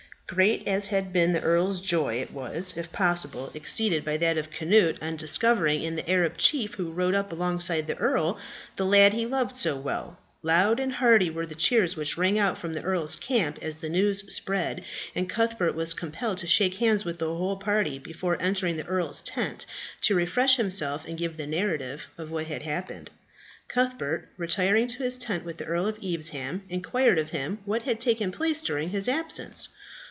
Great as had been the earl's joy, it was, if possible, exceeded by that of Cnut on discovering in the Arab chief who rode up alongside the earl, the lad he loved so well. Loud and hearty were the cheers which rang out from the earl's camp as the news spread, and Cuthbert was compelled to shake hands with the whole party before entering the earl's tent, to refresh himself and give the narrative of what had happened. Cuthbert, retiring to his tent with the Earl of Evesham, inquired of him what had taken place during his absence.